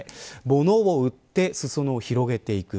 物を売って裾野を広げていく。